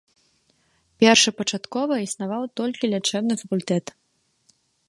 Першапачаткова існаваў толькі лячэбны факультэт.